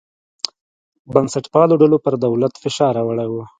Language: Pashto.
بنسټپالو ډلو پر دولت فشار راوړی.